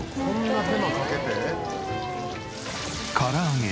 「こんな手間かけて」